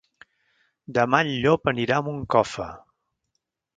Demà en Llop anirà a Moncofa.